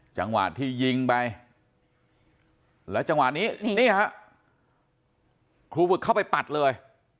จังหวะที่ยิงไปแล้วจังหวะนี้นี่ฮะครูฝึกเข้าไปปัดเลย